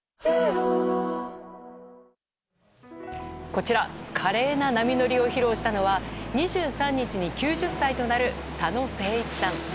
こちら、華麗な波乗りを披露したのは２３日に９０歳となる佐野誠一さん。